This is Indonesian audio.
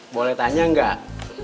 boleh tanya gak